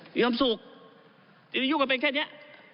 มีความสุขที่จะยุ่งกันเป็นแค่เนี้ย